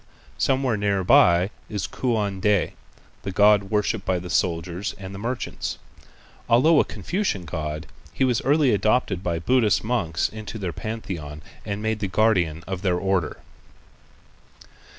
Somewhere near by is Kuan Ti, the god worshipped by the soldiers and merchants. Although a Confucian god, he was early adopted by Buddhist monks into their pantheon and made the guardian of their Order.